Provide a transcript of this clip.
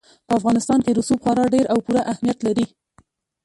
په افغانستان کې رسوب خورا ډېر او پوره اهمیت لري.